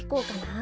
あ。